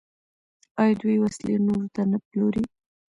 آیا دوی وسلې نورو ته نه پلوري؟